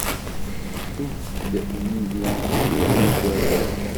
Ddut-d yid-i a igerdan.